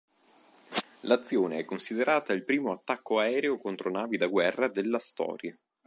L'azione è considerata il primo attacco aereo contro navi da guerra della storia.